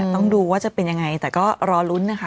ต้องดูว่าจะเป็นยังไงแต่ก็รอลุ้นนะคะ